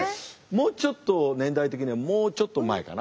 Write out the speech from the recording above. もうちょっと年代的にはもうちょっと前かな？